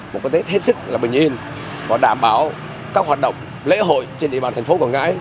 một cái tết hết sức là bình yên và đảm bảo các hoạt động lễ hội trên địa bàn thành phố quảng ngãi